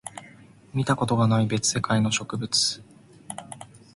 見たことがない別世界の植物